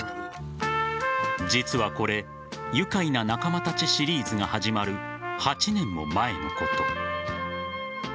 実はこれ「ゆかいな仲間たち」シリーズが始まる８年も前のこと。